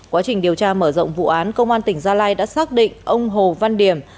quá trình điều tra mở rộng vụ án công an tỉnh gia lai đã xác định ông hồ văn điểm